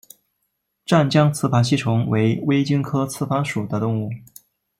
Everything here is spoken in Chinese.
湛江雌盘吸虫为微茎科雌盘属的动物。